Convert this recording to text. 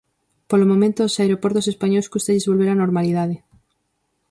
Polo momento, aos aeroportos españois cústalles volver á normalidade...